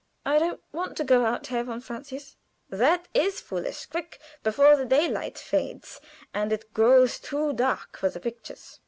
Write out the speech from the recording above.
"I don't want to go out, Herr von Francius." "That is foolish. Quick! before the daylight fades and it grows too dark for the pictures."